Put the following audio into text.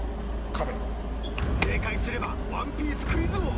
正解すればワンピースクイズ王。